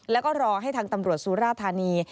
แล้วก็รอให้ทางตำรวจสุราธานี